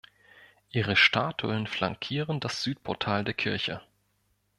Ihre Statuen flankieren das Südportal der Kirche.